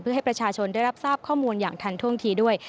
เพื่อให้ประชาชนได้รับทราบข้อมูลอย่างทันท่วงทีด้วย